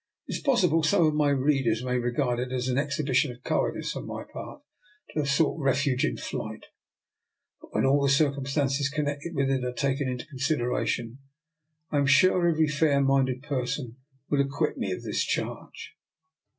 It is possible some of my readers may regard it as an exhibition of cowardice on my part to have sought refuge in flight; but when all the cir cumstances connected with it are taken into consideration, I am sure every fair minded person will acquit me of this charge.